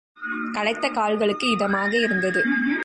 களைத்த கால்களுக்கு இதமாக இருந்தது.